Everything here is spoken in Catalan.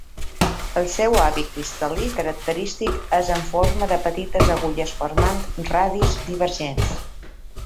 El seu hàbit cristal·lí característic és en forma de petites agulles formant radis divergents.